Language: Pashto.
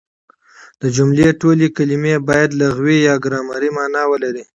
د جملې ټولي کلیمې باید لغوي يا ګرامري مانا ولري.